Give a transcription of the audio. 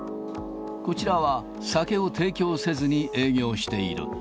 こちらは酒を提供せずに営業している。